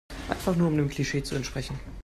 Einfach nur um dem Klischee zu entsprechen.